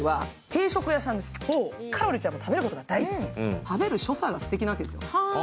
かろりちゃんは食べることが大好き、食べる所作がすてきなんですよ。